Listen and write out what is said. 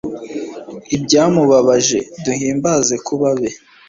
ibyamubabaje, duhimbaze kuba abe